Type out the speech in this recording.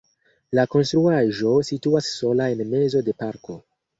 La konstruaĵo situas sola en mezo de parko.